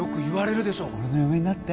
俺の嫁になって